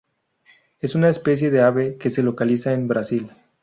Es una especie de ave que se localiza en Brasil.